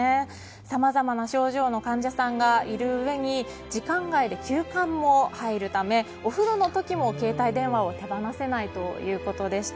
さまざまな症状の患者さんがいるうえに時間外で急患も入るためお風呂の時も携帯電話を手放さないということでした。